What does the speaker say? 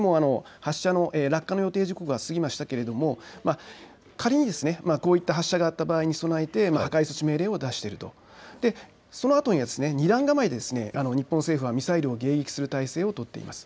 すでに発射の落下の予定時刻は過ぎましたが仮にこういった発射があった場合に備えて破壊措置命令を出しているとそのあとに２段構えで日本政府はミサイルを迎撃する態勢を取っています。